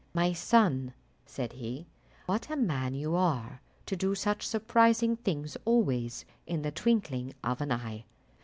"My son," said he, "what a man you are to do such surprising things always in the twinkling of an eye!